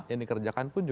yang dikerjakan pun sama